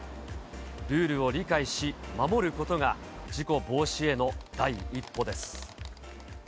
ルールを理解し、守ることが、事故防止への第一歩です。